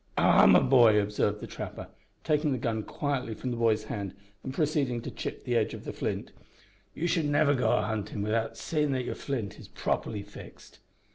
"Ah! my boy," observed the trapper, taking the gun quietly from the boy's hand and proceeding to chip the edge of the flint, "you should never go a huntin' without seein' that your flint is properly fixed."